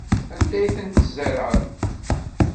Anda ay tent-tzerɛem?